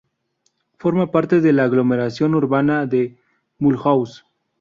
Forma parte de la aglomeración urbana de Mulhouse.